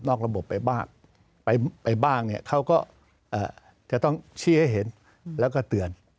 นอกระบบไปบ้างเขาก็จะต้องชี้ให้เห็นแล้วก็เตือน